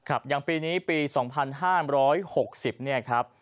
ครับอย่างปีนี้ปี๒๕๖๐เนี่ยครับ